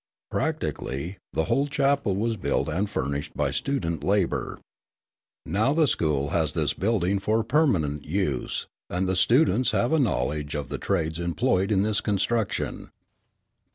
Practically, the whole chapel was built and furnished by student labour. Now the school has this building for permanent use, and the students have a knowledge of the trades employed in its construction.